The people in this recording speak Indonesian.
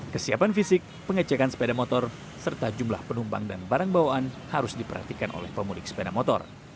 kesiapan fisik pengecekan sepeda motor serta jumlah penumpang dan barang bawaan harus diperhatikan oleh pemudik sepeda motor